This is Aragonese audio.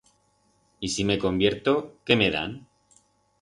Y si me convierto, qué me dan?